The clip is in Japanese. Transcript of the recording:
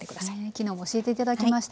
昨日も教えていただきました。